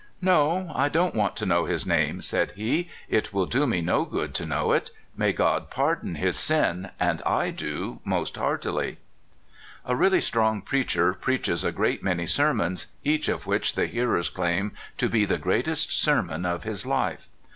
'' No ; I don't want to know his name," said he ;*' it will do me no good to know it. May God par don his sin, as I do most heartily! " A really strong preacher preaches a great many sermons, each of which the hearers claim to be the greatest sermon of his life.